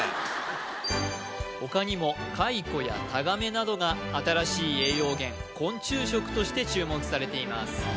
他にもカイコやタガメなどが新しい栄養源昆虫食として注目されています